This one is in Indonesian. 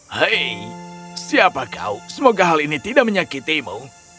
hei siapa kau semoga hal ini tidak menyakitimu